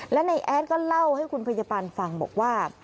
และนายแอดก็เล่าให้คุณพยาบาลฟังบอกว่า